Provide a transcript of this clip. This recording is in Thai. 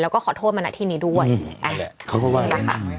เป็นการกระตุ้นการไหลเวียนของเลือด